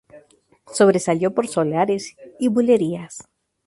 Sobresalió por soleares y bulerías.